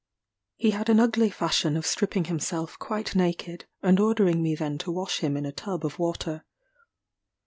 He had an ugly fashion of stripping himself quite naked, and ordering me then to wash him in a tub of water.